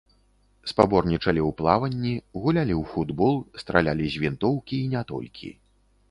Спаборнічалі ў плаванні, гулялі ў футбол, стралялі з вінтоўкі і не толькі.